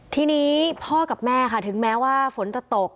ทีนี้พ่อกับแม่ค่ะถึงแม้ว่าฝนจะตก